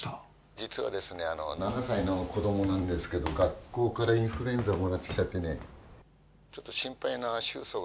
実はですね７歳の子供なんですけど学校からインフルエンザをもらってきちゃってねちょっと心配な愁訴がありましてね。